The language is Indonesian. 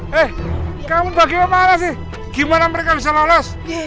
hai kamu bagaimana sih gimana mereka bisa lolos